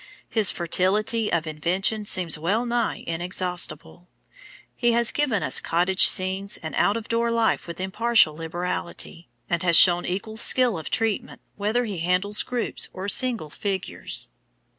His fertility of invention seems well nigh inexhaustible. He has given us cottage scenes and out of door life with impartial liberality, and has shown equal skill of treatment, whether he handles groups or single figures.